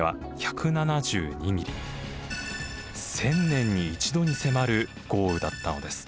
１０００年に１度に迫る豪雨だったのです。